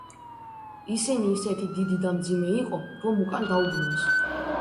ისინი ისეთი დიდი და მძიმე იყო, რომ უკან დაუბრუნეს.